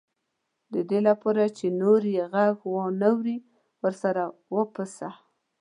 د دې لپاره چې نور یې غږ وانه وري ورسره وپسه.